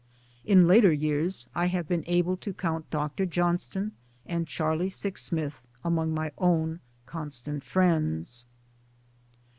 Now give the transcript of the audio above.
In later years I have been able to count Dr. Johnston and Charlie Sixsmith among my own constant friends.